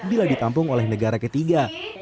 bila ditampung oleh negara ketiga